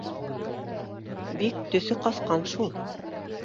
— Бик төҫө ҡасҡан шул